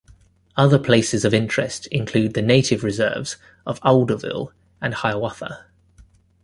Other places of interest include the Native Reserves of Alderville and Hiawatha.